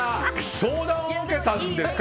相談を受けたんですか？